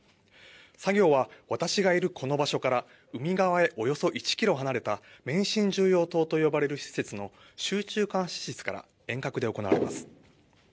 作業は私がいるこの場所から海側へおよそ１キロ離れた免震重要棟と呼ばれる施設の集中監視室から遠隔で行われます。